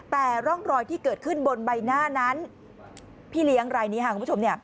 แต่ร่องรอยที่เกิดขึ้นบนใบหน้านั้นพี่เลี้ยงรายนี้ค่ะคุณผู้ชม